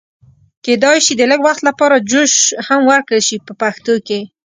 کېدای شي د لږ وخت لپاره جوش هم ورکړل شي په پښتو کې.